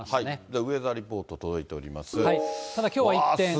ウェザーリポート届いております。